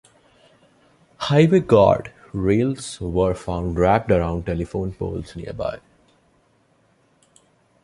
Highway guard rails were found wrapped around telephone poles nearby.